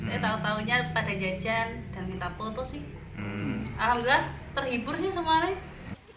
saya tahu tahunya pada jajan dan minta foto sih alhamdulillah terhibur sih semuanya